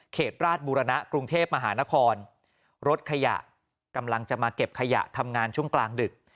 ราชบุรณะกรุงเทพมหานครรถขยะกำลังจะมาเก็บขยะทำงานช่วงกลางดึก